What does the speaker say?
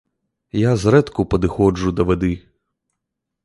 Я зрэдку падыходжу да вады.